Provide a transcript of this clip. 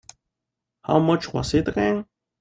How much was it again?